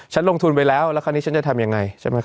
ฉันลงทุนไปแล้วแล้วคราวนี้ฉันจะทำยังไงใช่ไหมค